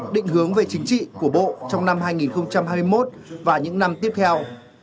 định hướng về chính trị của bộ trong năm hai nghìn hai mươi một và những năm tiếp theo